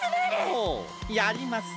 ほうやりますね。